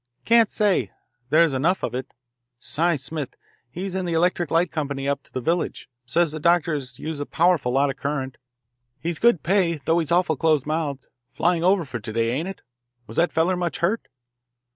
"Can't say. There's enough of it. Cy Smith he's in the electric light company up to the village says the doctor has used a powerful lot of current. He's good pay, though he's awful closemouthed. Flying's over for to day, ain't it? Was that feller much hurt?"